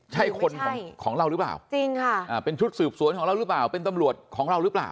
ไม่ใช่จริงค่ะเป็นชุดสืบสวนของเรารึเปล่าเป็นตำรวจของเรารึเปล่า